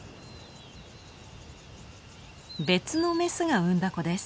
別のメスが産んだ子です。